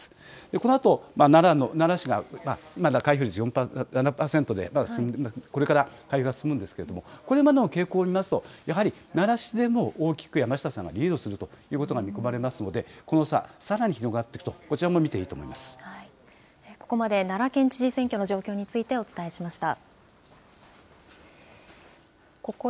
このあと、奈良市がまだ開票率７％で、まだこれから開票が進むんですけれども、これまでの傾向を見ますと、やはり奈良市でも大きく山下さんがリードするということが見込まれますので、この差、さらに広がっていくと、こちらも見ていここまで、奈良県知事選挙の状況について、お伝えしました。